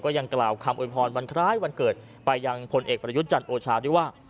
ยังกล่าวคำโวยพรวันคล้ายวันเกิดไปยังพลเอกประยุทธ์จันทร์โอชาด้วยว่า